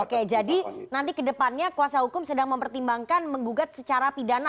oke jadi nanti kedepannya kuasa hukum sedang mempertimbangkan menggugat secara pidana